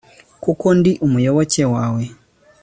kuko ndi umuyoboke wawe